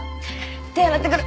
手洗ってくる。